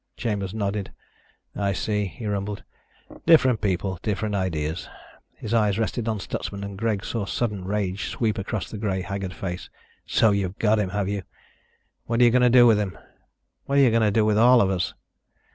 Chambers nodded. "I see," he mumbled. "Different people, different ideas." His eyes rested on Stutsman and Greg saw sudden rage sweep across the gray, haggard face. "So you've got him, have you? What are you going to do with him? What are you going to do with all of us?"